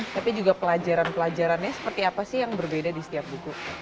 tapi juga pelajaran pelajarannya seperti apa sih yang berbeda di setiap buku